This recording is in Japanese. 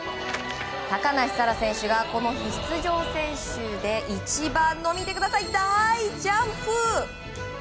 高梨沙羅選手が、この日出場選手で一番の大ジャンプ！